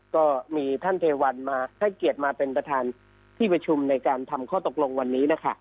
ก็มีท่านเทวันมาให้เกียรติมาเป็นประธานที่ประชุมในการทำข้อตกลงวันนี้นะคะ